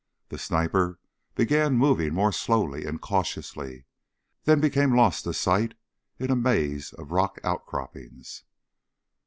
The sniper began moving more slowly and cautiously, then became lost to sight in a maze of rock outcroppings.